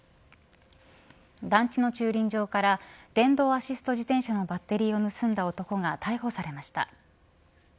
団地の駐輪場から電動アシスト自転車のバッテリーを盗んだ男が逮捕されました。